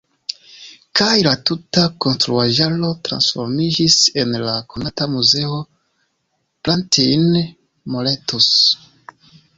Kaj la tuta konstruaĵaro transformiĝis en la konata Muzeo Plantijn-Moretus.